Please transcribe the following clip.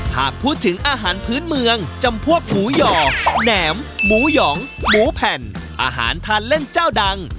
ในการเติบโตจากธุรกิจเนื้อหมูเหยียมหมูหยองหมูแผ่นอาหารทานเล่นเจ้าดัง